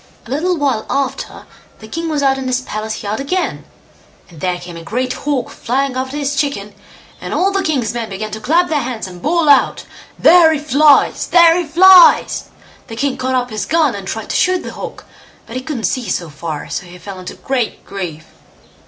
A little while after the king was out in his palace yard again, and there came a great hawk flying after his chicken, and all the king's men began to clap their hands and bawl out, "There he flies!" "There he flies!" The king caught up his gun and tried to shoot the hawk, but he couldn't see so far, so he fell into great grief.